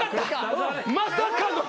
まさかの。